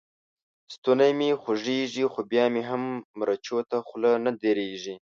ستونی مې خوږېږي؛ خو بيا مې هم مرچو ته خوله نه درېږي.